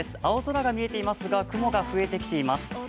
青空が見えていますが、雲が増えてきています。